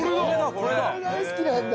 これ大好きなんだ。